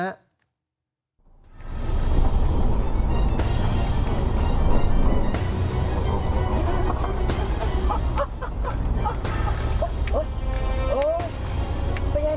ตัวนี้ต้องติด